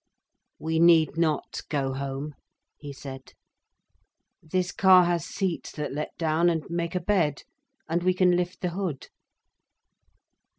"We need not go home," he said. "This car has seats that let down and make a bed, and we can lift the hood."